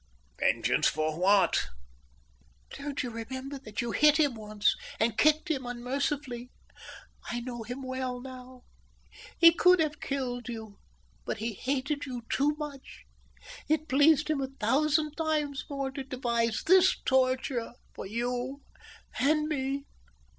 "Vengeance for what?" "Don't you remember that you hit him once, and kicked him unmercifully? I know him well now. He could have killed you, but he hated you too much. It pleased him a thousand times more to devise this torture for you and me."